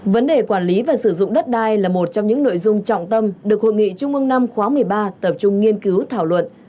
vấn đề quản lý và sử dụng đất đai là một trong những nội dung trọng tâm được hội nghị trung mương năm khóa một mươi ba tập trung nghiên cứu thảo luận